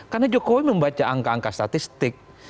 karena jokowi membaca angka angka statistik